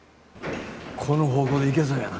この方向でいけそうやな。